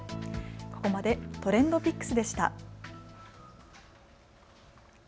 ここまでＴｒｅｎｄＰｉｃｋｓでした。